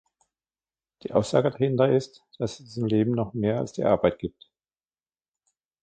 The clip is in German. Die Aussage dahinter ist, dass es im Leben noch mehr als die Arbeit gibt.